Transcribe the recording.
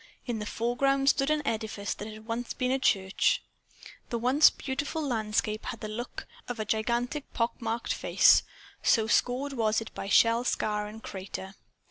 In the foreground stood an edifice that had once been a church. The once beautiful landscape had the look of a gigantic pockmarked face, so scored was it by shell scar and crater.